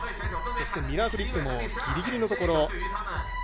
そしてミラーフリップもギリギリのところ。